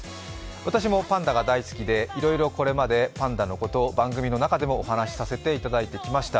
私もパンダが大好きでいろいろこれまでパンダのこと番組の中でもお話しさせてもらいました。